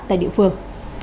tại địa phương